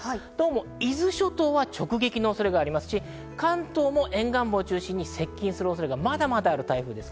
伊豆諸島は直撃の恐れがありますし、関東も沿岸部を中心に接近の恐れがあります。